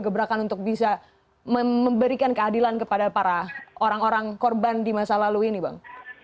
gebrakan untuk bisa memberikan keadilan kepada para orang orang korban di masa lalu ini bang